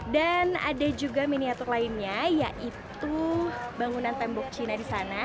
dan ada juga miniatur lainnya yaitu bangunan tembok cina di sana